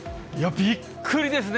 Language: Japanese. びっくりですね。